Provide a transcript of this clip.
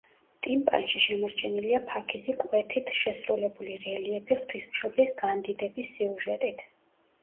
ტიმპანში შემორჩენილია ფაქიზი კვეთით შესრულებული რელიეფი ღვთისმშობლის განდიდების სიუჟეტით.